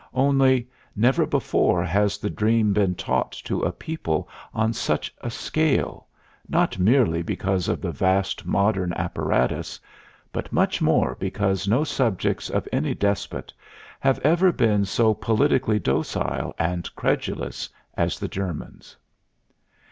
Only, never before has the dream been taught to a people on such a scale, not merely because of the vast modern apparatus, but much more because no subjects of any despot have ever been so politically docile and credulous as the Germans.